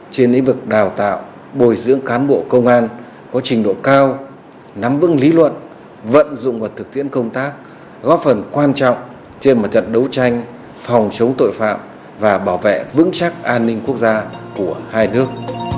trên lĩnh vực đào tạo bồi dưỡng cán bộ công an có trình độ cao nắm vững lý luận vận dụng và thực tiễn công tác góp phần quan trọng trên mặt trận đấu tranh phòng chống tội phạm và bảo vệ vững chắc an ninh quốc gia của hai nước